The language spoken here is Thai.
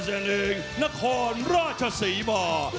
เจ้าแม่นนักฮ่อนรัชฌาสีบอร์